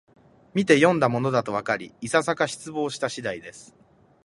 みてよんだものだとわかり、いささか失望した次第です